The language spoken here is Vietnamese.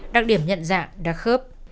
đặc điểm nhận dạng đặc khớp